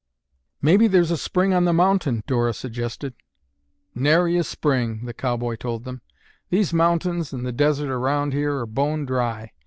"Maybe there's a spring on the mountain," Dora suggested. "Nary a spring," the cowboy told them. "These mountains and the desert around here are bone dry.